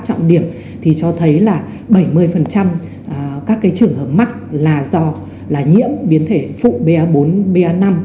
các trọng điểm thì cho thấy là bảy mươi các cái trường hợp mắc là do là nhiễm biến thể phụ ba bốn ba năm